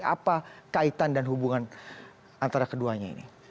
apa kaitan dan hubungan antara keduanya ini